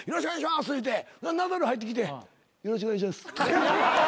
ナダル入ってきて「よろしくお願いします」